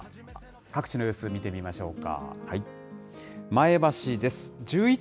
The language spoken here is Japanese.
各地の様子見てみましょうか。